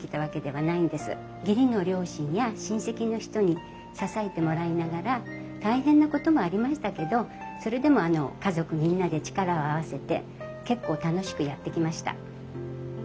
義理の両親や親戚の人に支えてもらいながら大変なこともありましたけどそれでも家族みんなで力を合わせて結構楽しくやってきました。